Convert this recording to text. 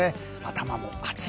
頭も暑い。